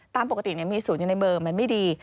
๕๐๕ตามปกติมีศูนย์ในเบอร์มันไม่ดี